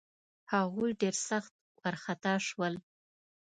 هغوی ډېر سخت وارخطا شول.